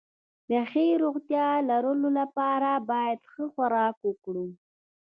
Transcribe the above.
د ښې روغتيا لرلو لپاره بايد ښه خوراک وکړو